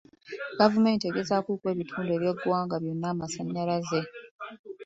Gavumenti egezaako okuwa ebitundu by'eggwanga byonna amasannyalaze.